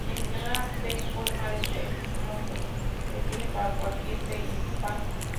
En general, la "p-forma" de Chern-Simons se define para cualquier p impar.